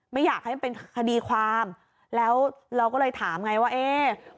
ไม่อยากให้มันเป็นคดีความแล้วเราก็เลยถามไงว่าเอ๊ะ